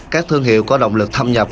các thương hiệu có động lực thâm nhập